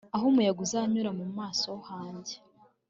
aho umuyaga uzanyura mu maso hanjye